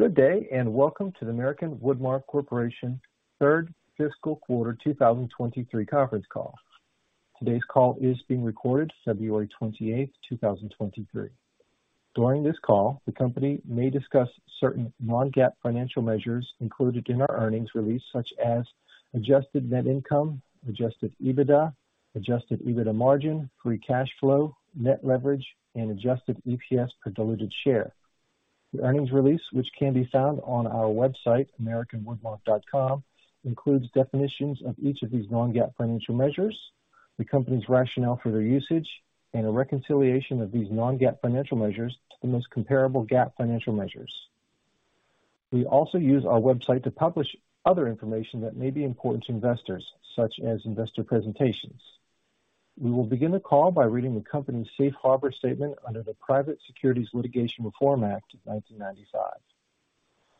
Good day, welcome to the American Woodmark Corporation Third Fiscal Quarter 2023 Conference Call. Today's call is being recorded February 28, 2023. During this call, the company may discuss certain non-GAAP financial measures included in our earnings release, such as adjusted net income, adjusted EBITDA, adjusted EBITDA margin, free cash flow, net leverage, and adjusted EPS per diluted share. The earnings release, which can be found on our website, americanwoodmark.com, includes definitions of each of these non-GAAP financial measures, the company's rationale for their usage, and a reconciliation of these non-GAAP financial measures to the most comparable GAAP financial measures. We also use our website to publish other information that may be important to investors, such as investor presentations. We will begin the call by reading the company's Safe Harbor statement under the Private Securities Litigation Reform Act of 1995.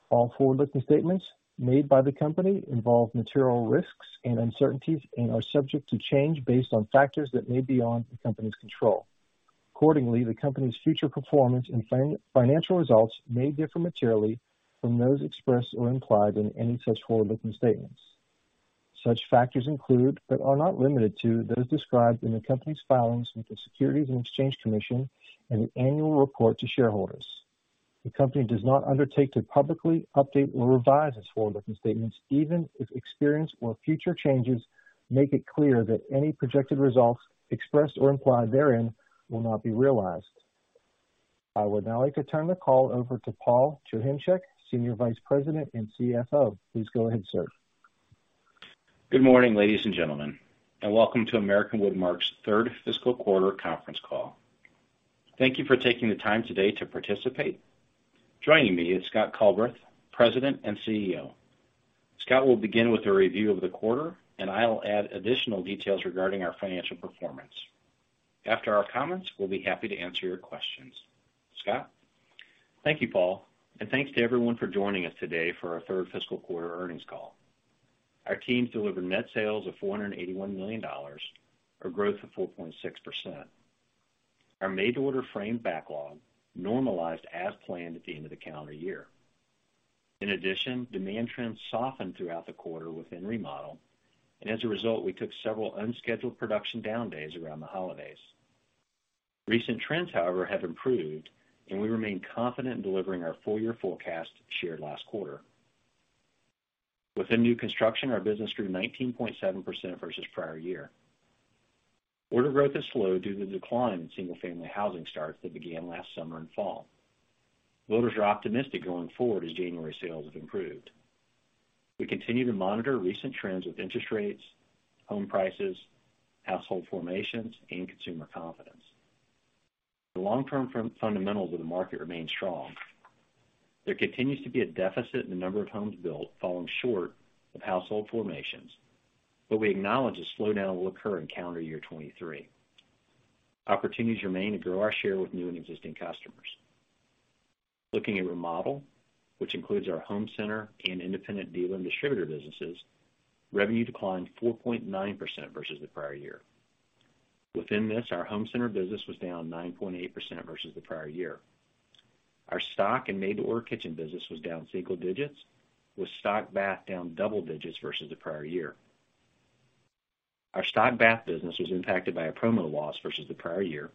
All forward-looking statements made by the company involve material risks and uncertainties and are subject to change based on factors that may be beyond the company's control. Accordingly, the company's future performance and financial results may differ materially from those expressed or implied in any such forward-looking statements. Such factors include, but are not limited to, those described in the company's filings with the Securities and Exchange Commission and the annual report to shareholders. The company does not undertake to publicly update or revise its forward-looking statements, even if experience or future changes make it clear that any projected results expressed or implied therein will not be realized. I would now like to turn the call over to Paul Joachimczyk, Senior Vice President and CFO. Please go ahead, sir. Good morning, ladies and gentlemen, welcome to American Woodmark's Third Fiscal Quarter Conference Call. Thank you for taking the time today to participate. Joining me is Scott Culbreth, President and CEO. Scott will begin with a review of the quarter, and I'll add additional details regarding our financial performance. After our comments, we'll be happy to answer your questions. Scott? Thank you, Paul. Thanks to everyone for joining us today for our third fiscal quarter earnings call. Our team delivered net sales of $481 million, a growth of 4.6%. Our made-to-order frame backlog normalized as planned at the end of the calendar year. In addition, demand trends softened throughout the quarter within remodel, and as a result, we took several unscheduled production down days around the holidays. Recent trends, however, have improved, and we remain confident in delivering our full-year forecast shared last quarter. Within new construction, our business grew 19.7% versus prior year. Order growth is slow due to the decline in single-family housing starts that began last summer and fall. Builders are optimistic going forward as January sales have improved. We continue to monitor recent trends with interest rates, home prices, household formations, and consumer confidence. The long-term fundamentals of the market remain strong. There continues to be a deficit in the number of homes built falling short of household formations, but we acknowledge a slowdown will occur in calendar year 2023. Opportunities remain to grow our share with new and existing customers. Looking at remodel, which includes our home center and independent dealer and distributor businesses, revenue declined 4.9% versus the prior year. Within this, our home center business was down 9.8% versus the prior year. Our stock and made-to-order kitchen business was down single digits, with stock bath down double digits versus the prior year. Our stock bath business was impacted by a promo loss versus the prior year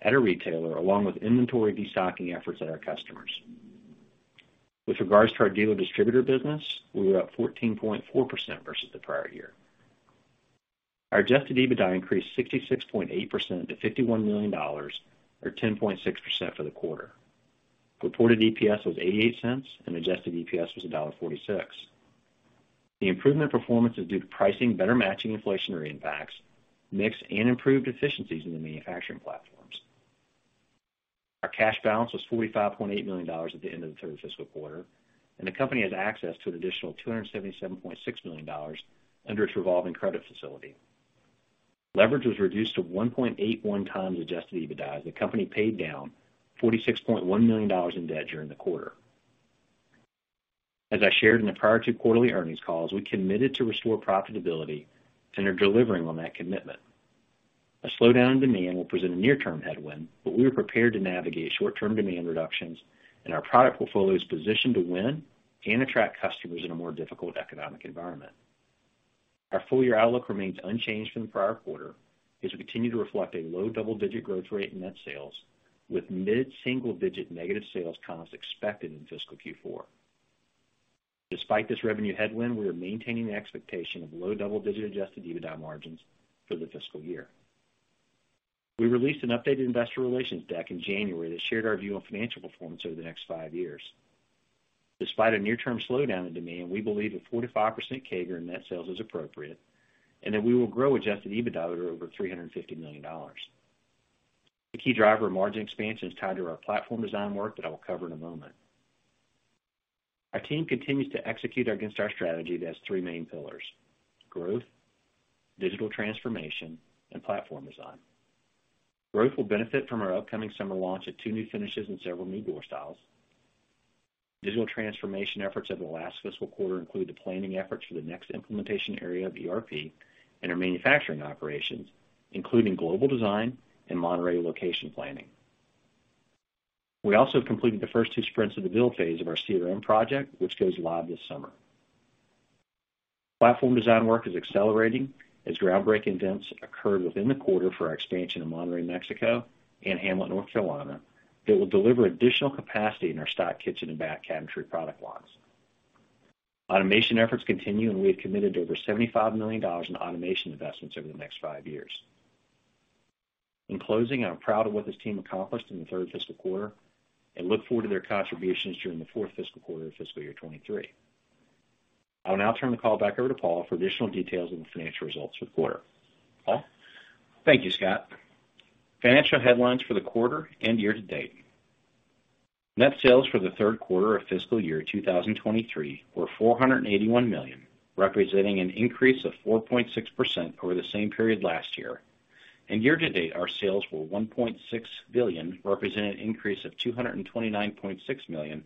at a retailer, along with inventory de-stocking efforts at our customers. With regards to our dealer distributor business, we were up 14.4% versus the prior year. Our adjusted EBITDA increased 66.8% to $51 million or 10.6% for the quarter. Reported EPS was $0.88 and adjusted EPS was $1.46. The improvement performance is due to pricing better matching inflationary impacts, mix and improved efficiencies in the manufacturing platforms. Our cash balance was $45.8 million at the end of the third fiscal quarter. The company has access to an additional $277.6 million under its revolving credit facility. Leverage was reduced to 1.81x adjusted EBITDA as the company paid down $46.1 million in debt during the quarter. As I shared in the prior two quarterly earnings calls, we committed to restore profitability and are delivering on that commitment. A slowdown in demand will present a near-term headwind. We are prepared to navigate short-term demand reductions. Our product portfolio is positioned to win and attract customers in a more difficult economic environment. Our full-year outlook remains unchanged from the prior quarter as we continue to reflect a low double-digit growth rate in net sales with mid-single-digit negative sales tons expected in fiscal Q4. Despite this revenue headwind, we are maintaining the expectation of low double-digit adjusted EBITDA margins for the fiscal year. We released an updated investor relations deck in January that shared our view on financial performance over the next five years. Despite a near-term slowdown in demand, we believe a 4%-5% CAGR in net sales is appropriate. That we will grow adjusted EBITDA to over $350 million. The key driver of margin expansion is tied to our platform design work that I will cover in a moment. Our team continues to execute against our strategy that has three main pillars: growth, digital transformation, and platform design. Growth will benefit from our upcoming summer launch of two new finishes and several new door styles. Digital transformation efforts over the last fiscal quarter include the planning efforts for the next implementation area of ERP and our manufacturing operations. Including global design and Monterrey location planning. We also completed the first two sprints of the build phase of our CRM project, which goes live this summer. Platform design work is accelerating as groundbreaking events occurred within the quarter for our expansion in Monterrey, Mexico, and Hamlet, North Carolina, that will deliver additional capacity in our stock kitchen and stock bath cabinetry product lines. Automation efforts continue. We have committed to over $75 million in automation investments over the next 5 years. In closing, I'm proud of what this team accomplished in the third fiscal quarter and look forward to their contributions during the fourth fiscal quarter of fiscal year 2023. I will now turn the call back over to Paul for additional details on the financial results for the quarter. Paul? Thank you, Scott. Financial headlines for the quarter and year-to-date. Net sales for the third quarter of fiscal year 2023 were $481 million, representing an increase of 4.6% over the same period last year. Year-to-date, our sales were $1.6 billion, representing an increase of $229.6 million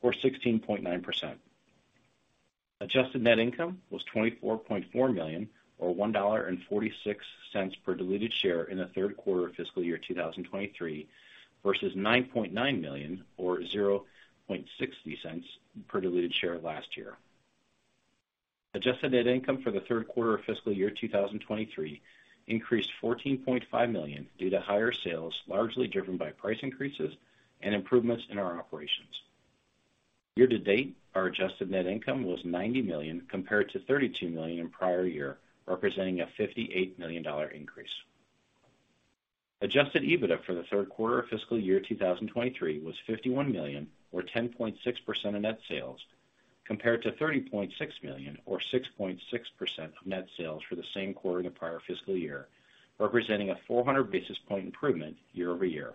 or 16.9%. Adjusted Net Income was $24.4 million, or $1.46 per diluted share in the third quarter of fiscal year 2023 versus $9.9 million or $0.60 per diluted share last year. Adjusted net income for the third quarter of fiscal year 2023 increased $14.5 million due to higher sales, largely driven by price increases and improvements in our operations. Year-to-date, our adjusted net income was $90 million compared to $32 million in prior year, representing a $58 million increase. Adjusted EBITDA for the third quarter of fiscal year 2023 was $51 million or 10.6% of net sales, compared to $30.6 million or 6.6% of net sales for the same quarter in the prior fiscal year, representing a 400 basis point improvement year-over-year.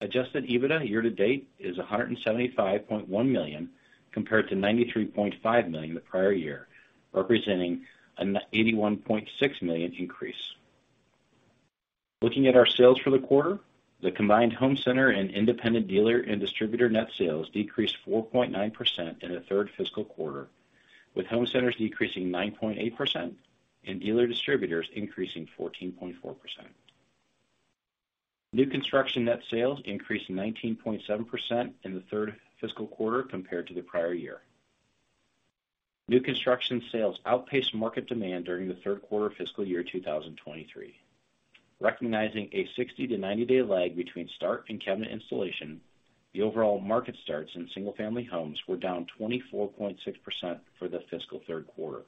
Adjusted EBITDA year-to-date is $175.1 million compared to $93.5 million the prior year, representing an $81.6 million increase. Looking at our sales for the quarter, the combined home center and independent dealer and distributor net sales decreased 4.9% in the third fiscal quarter, with home centers decreasing 9.8% and dealer distributors increasing 14.4%. New construction net sales increased 19.7% in the third fiscal quarter compared to the prior year. New construction sales outpaced market demand during the third quarter of fiscal year 2023. Recognizing a 60-90 day lag between start and cabinet installation, the overall market starts in single-family homes were down 24.6% for the fiscal third quarter.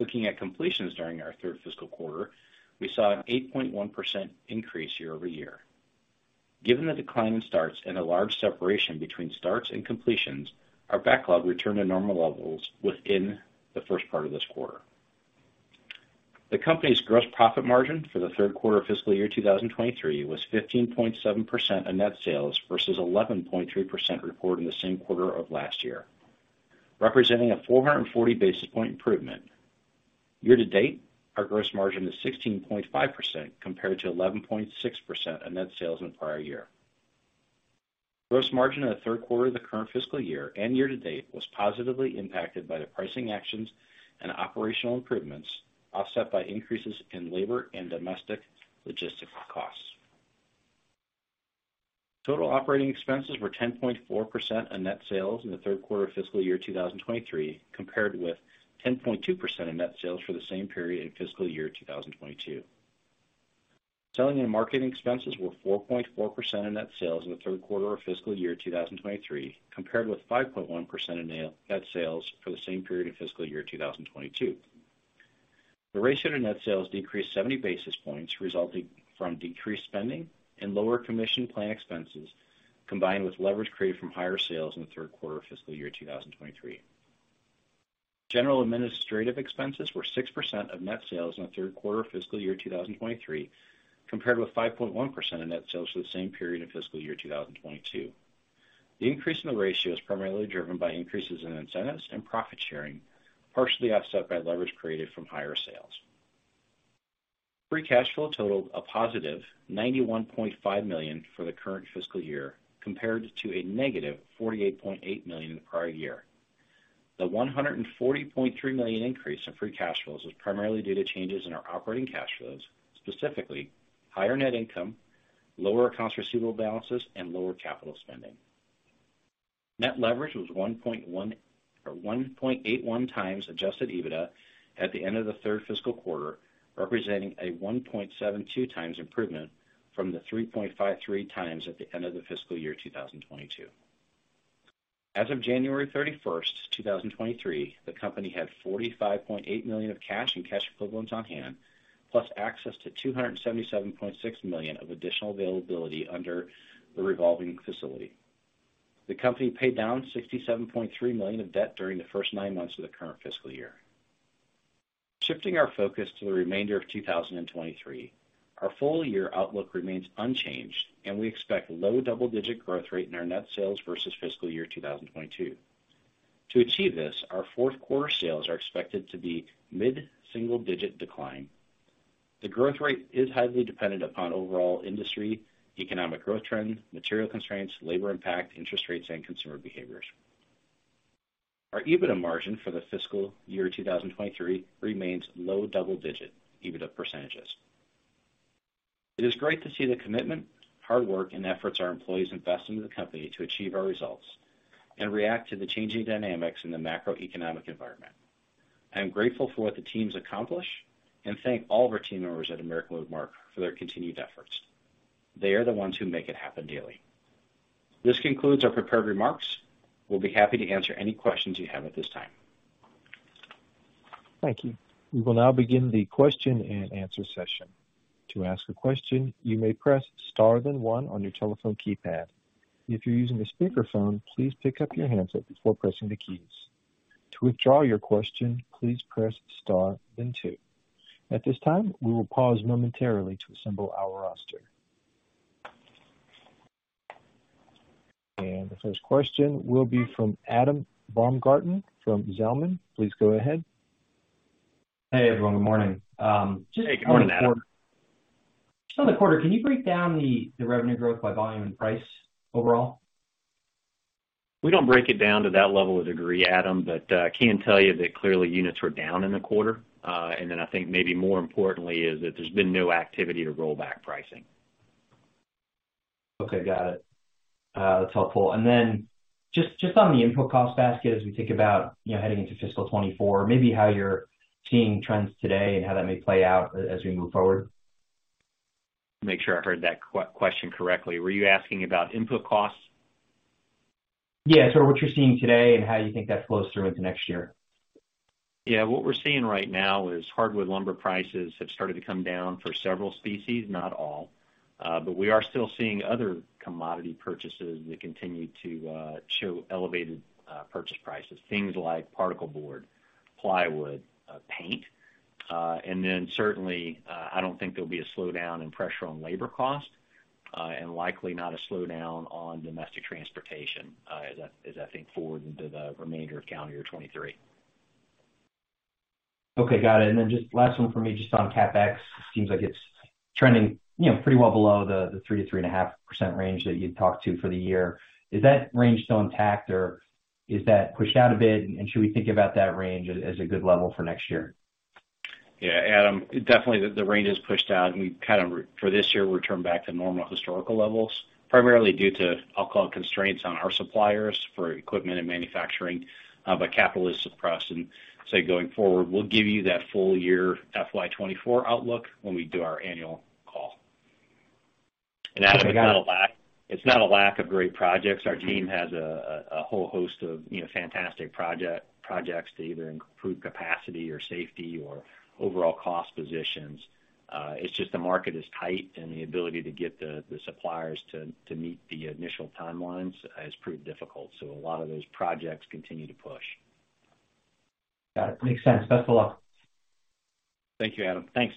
Looking at completions during our third fiscal quarter, we saw an 8.1% increase year-over-year. Given the decline in starts and a large separation between starts and completions, our backlog returned to normal levels within the 1st part of this quarter. The company's gross profit margin for the third quarter of fiscal year 2023 was 15.7% of net sales versus 11.3% reported in the same quarter of last year, representing a 440 basis point improvement. Year-to-date, our gross margin is 16.5% compared to 11.6% of net sales in the prior year. Gross margin in the third quarter of the current fiscal year and year-to-date was positively impacted by the pricing actions and operational improvements, offset by increases in labor and domestic logistics costs. Total operating expenses were 10.4% of net sales in the third quarter of fiscal year 2023, compared with 10.2% of net sales for the same period in fiscal year 2022. Selling and marketing expenses were 4.4% of net sales in the third quarter of fiscal year 2023, compared with 5.1% of net sales for the same period in fiscal year 2022. The ratio to net sales decreased 70 basis points, resulting from decreased spending and lower commission plan expenses, combined with leverage created from higher sales in the third quarter of fiscal year 2023. General administrative expenses were 6% of net sales in the third quarter of fiscal year 2023, compared with 5.1% of net sales for the same period in fiscal year 2022. The increase in the ratio is primarily driven by increases in incentives and profit sharing, partially offset by leverage created from higher sales. Free cash flow totaled a positive $91.5 million for the current fiscal year compared to a negative $48.8 million in the prior year. The $140.3 million increase in free cash flows was primarily due to changes in our operating cash flows, specifically higher net income, lower accounts receivable balances and lower capital spending. Net leverage was 1.81x adjusted EBITDA at the end of the third fiscal quarter, representing a 1.72x improvement from the 3.53x at the end of the fiscal year 2022. As of January 31st, 2023, the company had $45.8 million of cash and cash equivalents on hand, plus access to $277.6 million of additional availability under the revolving facility. The company paid down $67.3 million of debt during the first nine months of the current fiscal year. Shifting our focus to the remainder of 2023, our full-year outlook remains unchanged. We expect low double-digit growth rate in our net sales versus fiscal year 2022. To achieve this, our fourth quarter sales are expected to be mid-single digit decline. The growth rate is highly dependent upon overall industry, economic growth trend, material constraints, labor impact, interest rates, and consumer behaviors. Our EBITDA margin for the fiscal year 2023 remains low double digit EBITDA %. It is great to see the commitment, hard work, and efforts our employees invest into the company to achieve our results and react to the changing dynamics in the macroeconomic environment. I am grateful for what the teams accomplish and thank all of our team members at American Woodmark for their continued efforts. They are the ones who make it happen daily. This concludes our prepared remarks. We'll be happy to answer any questions you have at this time. Thank you. We will now begin the question-and-answer session. To ask a question, you may press star then one on your telephone keypad. If you're using a speakerphone, please pick up your handset before pressing the keys. To withdraw your question, please press star then two. At this time, we will pause momentarily to assemble our roster. The first question will be from Adam Baumgarten from Zelman. Please go ahead. Hey, everyone. Good morning. Hey. Good morning, Adam. Just on the quarter, can you break down the revenue growth by volume and price overall? We don't break it down to that level of degree, Adam, I can tell you that clearly units were down in the quarter. I think maybe more importantly is that there's been no activity to roll back pricing. Okay. Got it. That's helpful. Then just on the input cost basket, as we think about heading into fiscal 2024, maybe how you're seeing trends today and how that may play out as we move forward. Make sure I heard that question correctly. Were you asking about input costs? What you're seeing today and how you think that flows through into next year? What we're seeing right now is hardwood lumber prices have started to come down for several species, not all. We are still seeing other commodity purchases that continue to show elevated purchase prices, things like particleboard, plywood, and paint. Certainly, I don't think there'll be a slowdown in pressure on labor cost, and likely not a slowdown on domestic transportation as I think forward into the remainder of Calendar Year '23. Okay. Got it. Just last one for me, just on CapEx, it seems like it's trending pretty well below the 3%-3.5% range that you'd talked to for the year. Is that range still intact, or is that pushed out a bit, and should we think about that range as a good level for next year? Adam, definitely the range is pushed out, and we've kind of for this year, returned back to normal historical levels, primarily due to, I'll call it, constraints on our suppliers for equipment and manufacturing, capital is suppressed. Say, going forward, we'll give you that full year FY '24 outlook when we do our annual call. Adam, it's not a lack of great projects. Our team has a whole host of, you know, fantastic projects to either improve capacity or safety or overall cost positions. It's just the market is tight and the ability to get the suppliers to meet the initial timelines has proved difficult. A lot of those projects continue to push. Got it. Makes sense. Best of luck. Thank you, Adam. Thanks.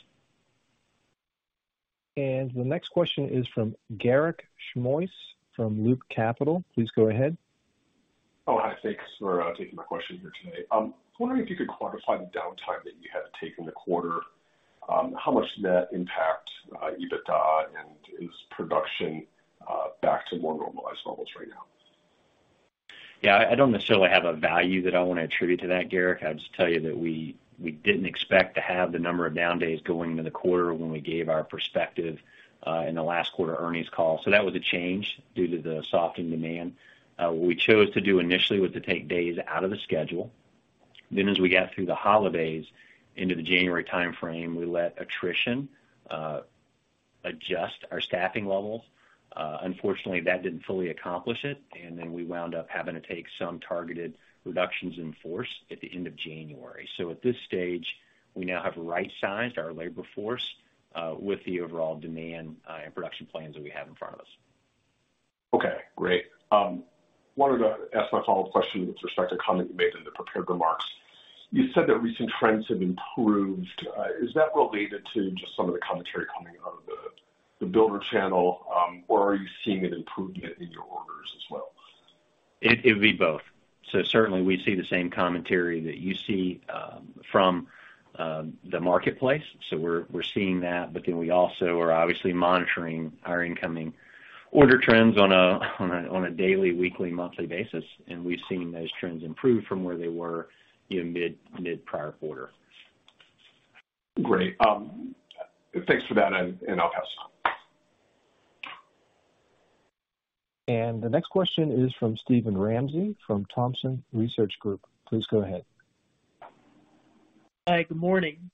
The next question is from Garik Shmois from Loop Capital. Please go ahead. Oh, hi. Thanks for taking my question here today. I was wondering if you could quantify the downtime that you had taken the quarter, how much did that impact EBITDA and is production back to more normalized levels right now? I don't necessarily have a value that I wanna attribute to that, Garik. I'll just tell you that we didn't expect to have the number of down days going into the quarter when we gave our perspective in the last quarter earnings call. That was a change due to the soften demand. What we chose to do initially was to take days out of the schedule. As we got through the holidays into the January timeframe, we let attrition adjust our staffing levels. Unfortunately, that didn't fully accomplish it, and then we wound up having to take some targeted reductions in force at the end of January. At this stage, we now have right-sized our labor force with the overall demand and production plans that we have in front of us. Okay. Great. wanted to ask my follow-up question with respect to a comment you made in the prepared remarks. You said that recent trends have improved. Is that related to just some of the commentary coming out of the builder channel, or are you seeing an improvement in your orders as well? It'd be both. Certainly we see the same commentary that you see from the marketplace. We're seeing that. We also are obviously monitoring our incoming order trends on a daily, weekly, monthly basis, and we've seen those trends improve from where they were in mid prior quarter. Great. Thanks for that, and I'll pass on. The next question is from Steven Ramsey from Thompson Research Group. Please go ahead. Hi. Good morning.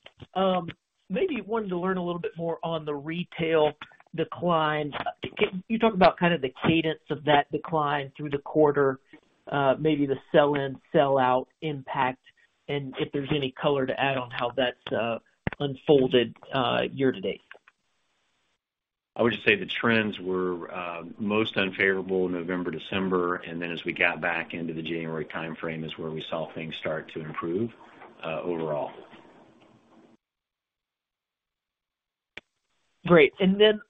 Maybe wanted to learn a little bit more on the retail decline. Can you talk about kind of the cadence of that decline through the quarter, maybe the sell-in, sell-out impact, and if there's any color to add on how that's unfolded year to date? I would just say the trends were, most unfavorable November, December, and then as we got back into the January timeframe is where we saw things start to improve, overall. Great.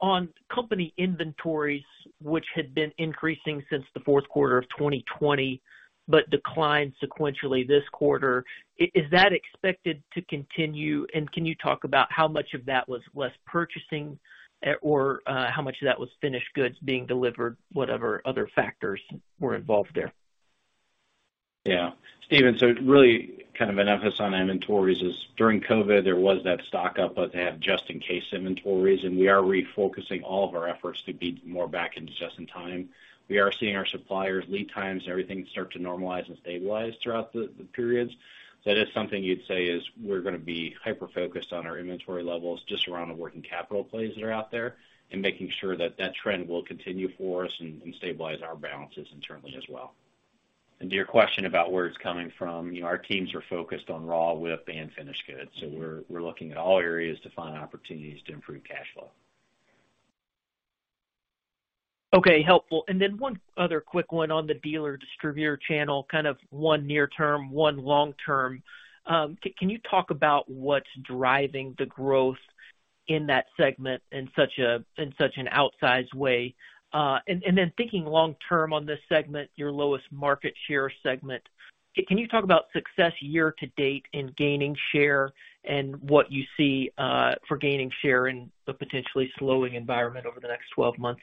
On company inventories, which had been increasing since the fourth quarter of 2020 but declined sequentially this quarter, is that expected to continue? Can you talk about how much of that was less purchasing, or how much of that was finished goods being delivered, whatever other factors were involved there? Steven, so really kind of an emphasis on inventories is during COVID, there was that stock up, but they had just in case inventories, and we are refocusing all of our efforts to be more back into just in time. We are seeing our suppliers lead times and everything start to normalize and stabilize throughout the periods. That is something you'd say is we're gonna be hyper-focused on our inventory levels just around the working capital plays that are out there and making sure that that trend will continue for us and stabilize our balances internally as well. To your question about where it's coming from, you know, our teams are focused on raw, WIP, and finished goods. We're looking at all areas to find opportunities to improve cash flow. Okay, helpful. One other quick one on the dealer distributor channel, kind of one near term, one long term. Can you talk about what's driving the growth in that segment in such an outsized way? Then thinking long term on this segment, your lowest market share segment, can you talk about success year to date in gaining share and what you see for gaining share in a potentially slowing environment over the next 12 months?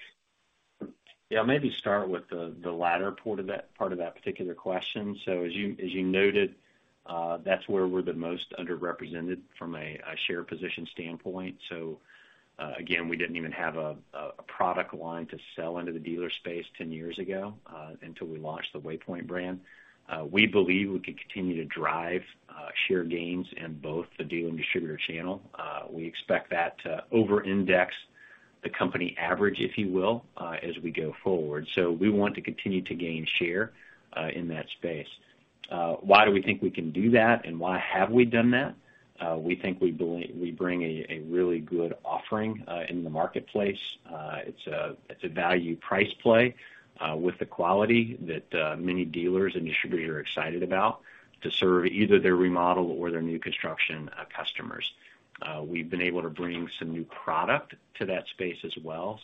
Maybe start with the latter part of that particular question. As you noted, that's where we're the most underrepresented from a share position standpoint. Again, we didn't even have a product line to sell into the dealer space 10 years ago, until we launched the Waypoint brand. We believe we could continue to drive share gains in both the deal and distributor channel. We expect that to over-index the company average, if you will, as we go forward. We want to continue to gain share in that space. Why do we think we can do that, and why have we done that? We think we bring a really good offering in the marketplace. It's a value price play with the quality that many dealers and distributors are excited about to serve either their remodel or their new construction customers. We've been able to bring some new product to that space as well.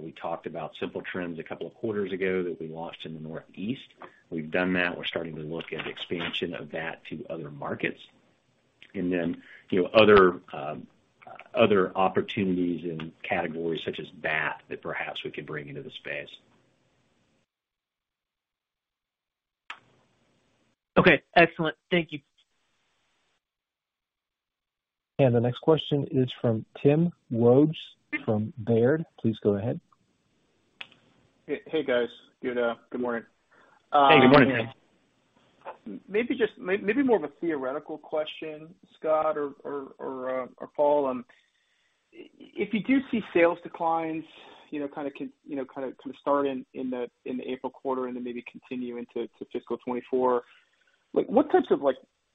We talked about Simply Woodmark a couple of quarters ago that we launched in the Northeast. We've done that. We're starting to look at expansion of that to other markets. You know, other opportunities and categories such as bath that perhaps we could bring into the space. Okay, excellent. Thank you. The next question is from Tim Wojs from Baird. Please go ahead. Hey, guys. Good morning. Hey, good morning, Tim. Maybe more of a theoretical question, Scott or Paul, if you do see sales declines start in the April quarter and then maybe continue into fiscal 2024, like, what types of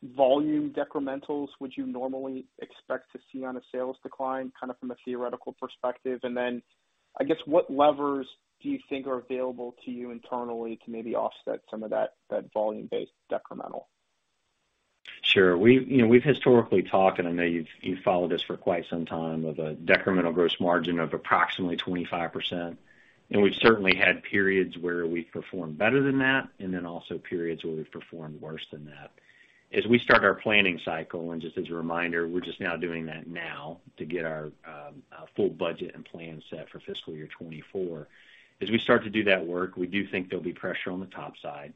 volume decrementals would you normally expect to see on a sales decline from a theoretical perspective? What levers do you think are available to you internally to maybe offset some of that volume-based decremental? Sure. We've historically talked, and I know you've followed us for quite some time, of a decremental gross margin of approximately 25%. We've certainly had periods where we've performed better than that, and then also periods where we've performed worse than that. As we start our planning cycle, and just as a reminder, we're just now doing that now to get our full budget and plan set for fiscal year 2024. As we start to do that work, we do think there'll be pressure on the top side.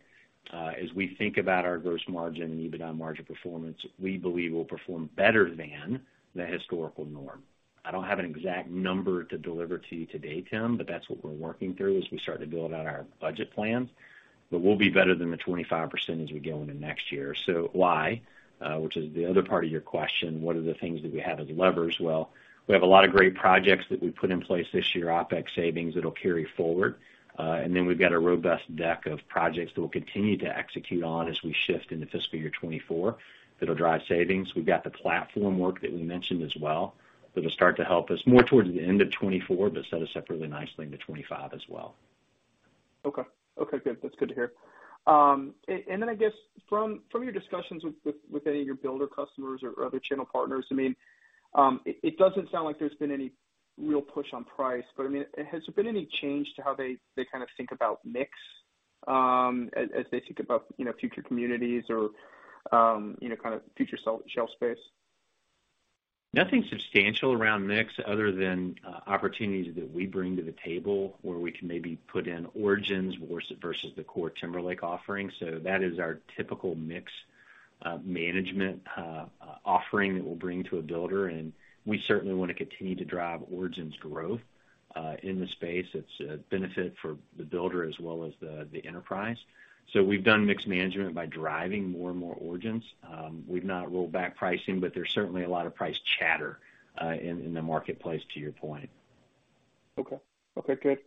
As we think about our gross margin and EBITDA margin performance, we believe we'll perform better than the historical norm. I don't have an exact number to deliver to you today, Tim, but that's what we're working through as we start to build out our budget plans. We'll be better than the 25% as we go into next year. Why? Which is the other part of your question: What are the things that we have as levers? Well, we have a lot of great projects that we put in place this year, OpEx savings that'll carry forward. Then we've got a robust deck of projects that we'll continue to execute on as we shift into fiscal year 2024 that'll drive savings. We've got the platform work that we mentioned as well. That'll start to help us more towards the end of 2024, but set us up really nicely into 2025 as well. Okay, good. That's good to hear. I guess from your discussions with any of your builder customers or other channel partners it doesn't sound like there's been any real push on price. I mean, has there been any change to how they kind of think about mix as they think about future communities or future shelf space? Nothing substantial around mix other than, opportunities that we bring to the table where we can maybe put in Origins versus the core Timberlake offering. That is our typical mix, management, offering that we'll bring to a builder, and we certainly wanna continue to drive Origins growth, in the space. It's a benefit for the builder as well as the enterprise. We've done mix management by driving more and more Origins. We've not rolled back pricing, but there's certainly a lot of price chatter, in the marketplace to your point. Okay, good.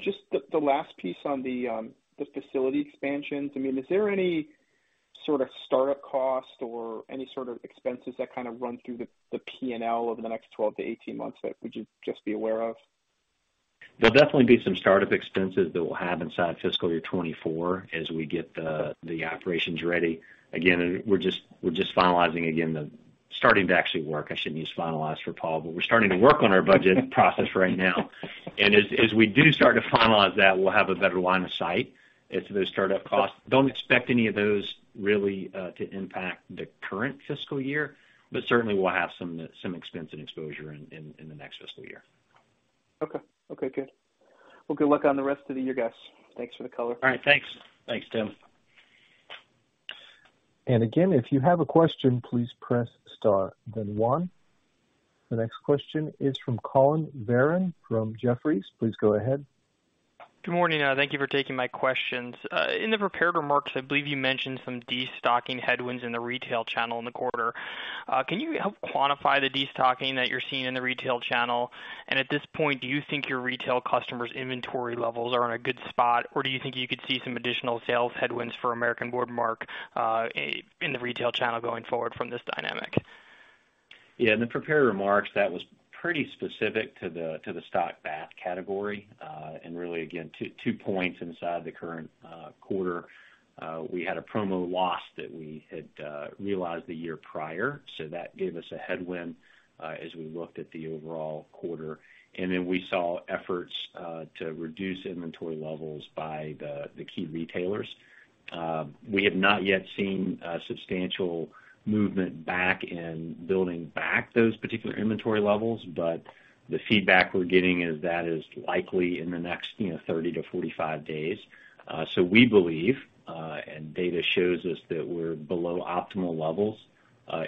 Just the last piece on the facility expansions. I mean, is there any startup cost or any expenses that run through the P&L over the next 12 to 18 months that we should just be aware of? There'll definitely be some startup expenses that we'll have inside fiscal year 2024 as we get the operations ready. Again, we're just finalizing again starting to actually work. I shouldn't use finalize for Paul, but we're starting to work on our budget process right now. As we do start to finalize that, we'll have a better line of sight into those startup costs. Don't expect any of those really to impact the current fiscal year, but certainly we'll have some expense and exposure in the next fiscal year. Okay. Okay, good. Good luck on the rest of the year, guys. Thanks for the color. All right, thanks. Thanks, Tim. Again, if you have a question, please press star then one. The next question is from Collin Verron from Jefferies. Please go ahead. Good morning. Thank you for taking my questions. In the prepared remarks, I believe you mentioned some destocking headwinds in the retail channel in the quarter. Can you help quantify the destocking that you're seeing in the retail channel? At this point, do you think your retail customers' inventory levels are in a good spot, or do you think you could see some additional sales headwinds for American Woodmark in the retail channel going forward from this dynamic? In the prepared remarks, that was pretty specific to the stock bath category. Really again, two points inside the current quarter. We had a promo loss that we had realized the year prior, that gave us a headwind as we looked at the overall quarter. We saw efforts to reduce inventory levels by the key retailers. We have not yet seen a substantial movement back in building back those particular inventory levels, but the feedback we're getting is that is likely in the next 30-45 days. We believe, and data shows us that we're below optimal levels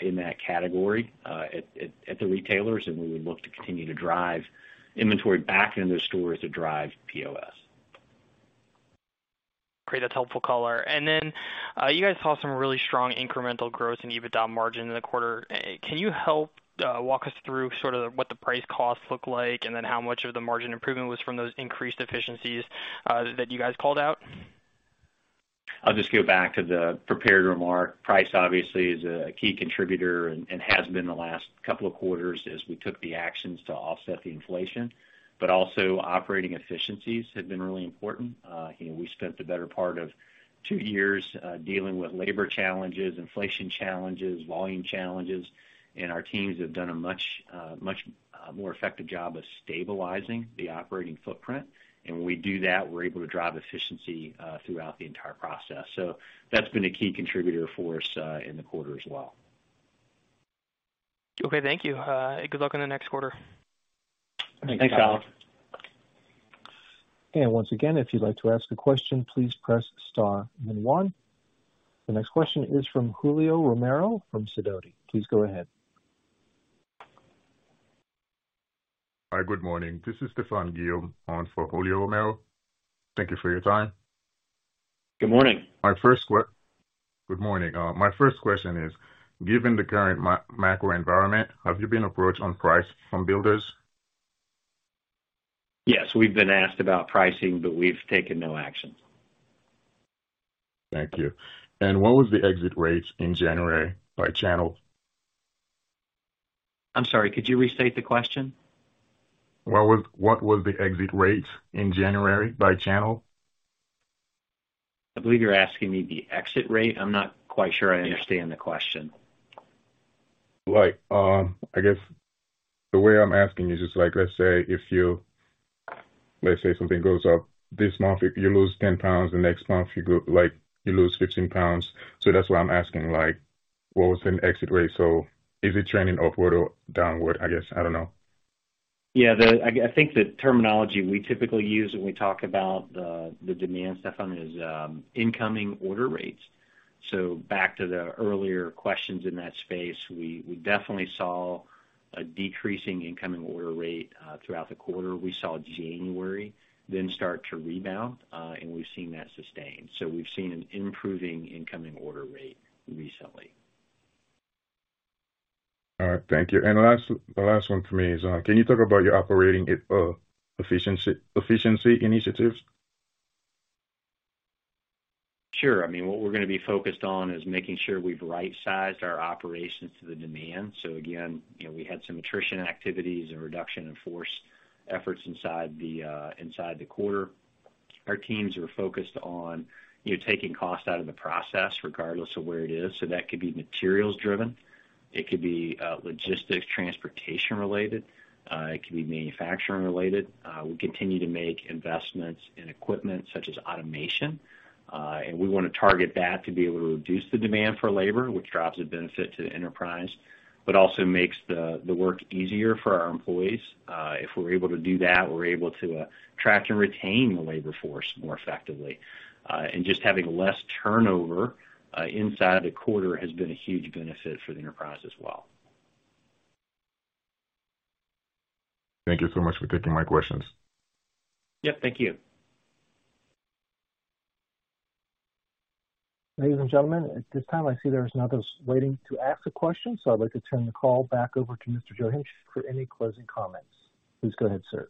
in that category at the retailers, we would look to continue to drive inventory back into the stores to drive POS. Great. That's helpful color. You guys saw some really strong incremental growth in EBITDA margin in the quarter. Can you help walk us through sort of what the price costs look like, and then how much of the margin improvement was from those increased efficiencies, that you guys called out? I'll just go back to the prepared remark. Price obviously is a key contributor and has been the last couple of quarters as we took the actions to offset the inflation. Also operating efficiencies have been really important. You know, we spent the better part of two years dealing with labor challenges, inflation challenges, volume challenges, and our teams have done a much, much more effective job of stabilizing the operating footprint. When we do that, we're able to drive efficiency throughout the entire process. That's been a key contributor for us in the quarter as well. Okay, thank you. Good luck on the next quarter. Thanks, Collin. Once again, if you'd like to ask a question, please press star then one. The next question is from Julio Romero from Sidoti. Please go ahead. Hi, good morning. This is Stephen Gengaro on for Julio Romero. Thank you for your time. Good morning. Good morning. My first question is, given the current macro environment, have you been approached on price from builders? Yes, we've been asked about pricing. We've taken no action. Thank you. What was the exit rates in January by channel? I'm sorry, could you restate the question? What was the exit rate in January by channel? I believe you're asking me the exit rate. I'm not quite sure I understand the question. The way I'm asking is just like, let's say something goes up this month, if you lose 10 pounds, the next month you go you lose 15 pounds. That's why I'm asking what was the exit rate? Is it trending upward or downward, I guess? I don't know. I think the terminology we typically use when we talk about the demand, Stephen, is incoming order rates. Back to the earlier questions in that space, we definitely saw a decreasing incoming order rate throughout the quarter. We saw January then start to rebound, and we've seen that sustained. We've seen an improving incoming order rate recently. All right. Thank you. Last, the last one for me is, can you talk about your operating efficiency initiatives? Sure. I mean, what we're gonna be focused on is making sure we've right-sized our operations to the demand. Again, you know, we had some attrition activities and reduction in force efforts inside the quarter. Our teams are focused on, you know, taking costs out of the process regardless of where it is. That could be materials driven, it could be logistics, transportation related, it could be manufacturing related. We continue to make investments in equipment such as automation, and we wanna target that to be able to reduce the demand for labor, which drives a benefit to the enterprise, but also makes the work easier for our employees. If we're able to do that, we're able to attract and retain the labor force more effectively. Just having less turnover inside the quarter has been a huge benefit for the enterprise as well. Thank you so much for taking my questions. Thank you. Ladies and gentlemen, at this time, I see there's none of us waiting to ask a question. I'd like to turn the call back over to Mr. Paul Joachimczyk for any closing comments. Please go ahead, sir.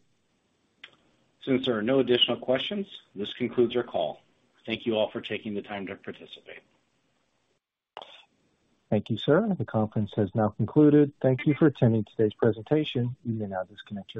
Since there are no additional questions, this concludes your call. Thank you all for taking the time to participate. Thank you, sir. The conference has now concluded. Thank you for attending today's presentation. You may now disconnect your lines.